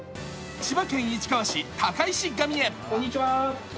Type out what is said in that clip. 千葉県市川市高石神へ。